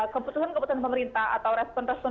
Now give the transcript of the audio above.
keputusan keputusan pemerintah atau respon tersebut